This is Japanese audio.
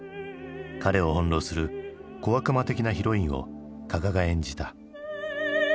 彼を翻弄する小悪魔的なヒロインを加賀が演じた。